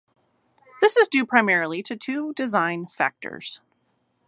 This is due primarily to two design factors.